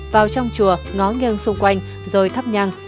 vào trong chùa ngó ngang xung quanh rồi thắp nhang